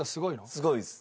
すごいです。